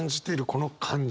この感じ